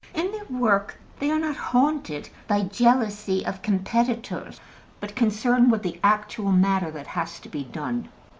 In their work they are not haunted by jealousy of competitors, but concerned with the actual matter that has to be done.